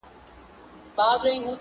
o ه ياره په ژړا نه کيږي.